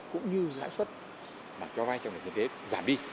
cũng như lãi xuất cho vai trong lĩnh vực kinh tế giảm đi